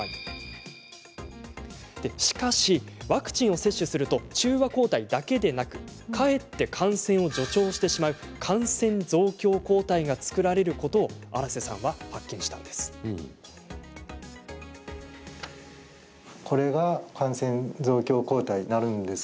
しかし、ワクチンを接種すると中和抗体だけでなくかえって感染を助長してしまう感染増強抗体が作られることを荒瀬さんは発見しました。